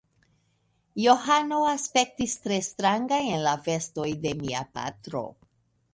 Johano aspektis tre stranga en la vestoj de mia patro.